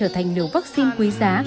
thành nửa vắc xin quý giá